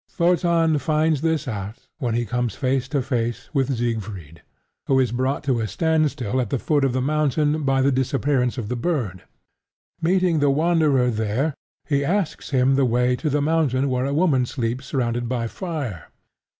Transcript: Wotan finds this out when he comes face to face with Siegfried, who is brought to a standstill at the foot of the mountain by the disappearance of the bird. Meeting the Wanderer there, he asks him the way to the mountain where a woman sleeps surrounded by fire.